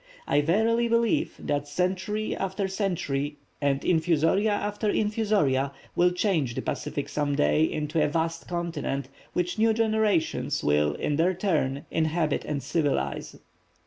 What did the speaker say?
I verily believe that century after century, and infusoria after infusoria will change the Pacific some day into a vast continent, which new generations will, in their turn, inhabit and civilize."